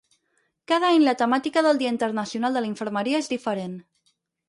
Cada any la temàtica del Dia Internacional de la Infermeria és diferent.